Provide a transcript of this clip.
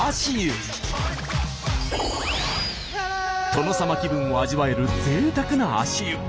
殿様気分を味わえるぜいたくな足湯。